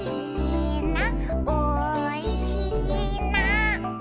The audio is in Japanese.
「おいしいな」